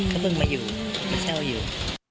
ก็เพิ่งมาอยู่มาเช่าอยู่